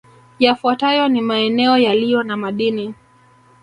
Yafuatayo ni maeneo yaliyo na madini